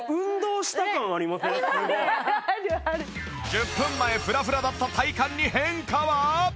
１０分前フラフラだった体幹に変化は？